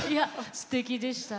すてきでした。